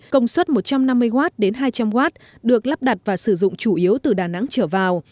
công suất một trăm năm mươi w đến hai trăm linh w được lắp đặt và sử dụng chủ yếu từ đà nẵng trở vào